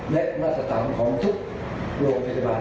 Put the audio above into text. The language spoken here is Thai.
และมาตรฐานของทุกโรงพยาบาล